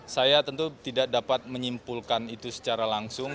saya tentu tidak dapat menyimpulkan itu secara langsung